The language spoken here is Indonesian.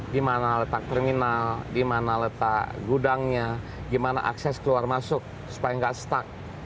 di mana letak terminal di mana letak gudangnya gimana akses keluar masuk supaya nggak stuck